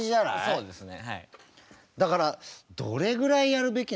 そうですね。